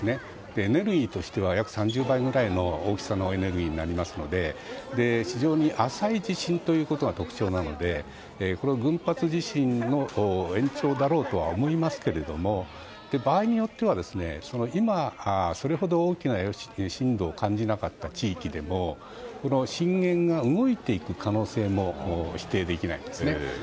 エネルギーとしては約３０倍ぐらいになりますのでそれで、非常に浅い地震ということが特徴なのでこれを群発地震の延長だろうとは思いますが場合によっては今、それほど大きな震度を感じなかった地域でも震源が動いていく可能性も否定できないんですね。